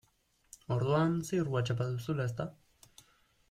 Orduan ziur Whatsapp-a duzula, ezta?